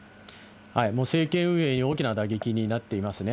もう政権運営に大きな打撃になっていますね。